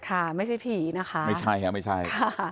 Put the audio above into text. ค่ะไม่ใช่ผีนะคะไม่ใช่ค่ะไม่ใช่ค่ะ